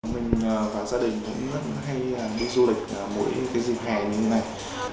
mình và gia đình cũng rất hay đi du lịch mỗi cái dịp hè như thế này